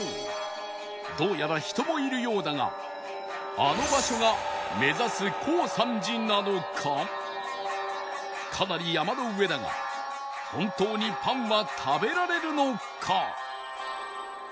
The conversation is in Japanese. どうやら人もいるようだがあの場所がかなり山の上だが本当にパンは食べられるのか？